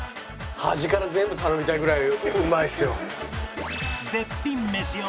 端から全部頼みたいぐらいうまいっすよ。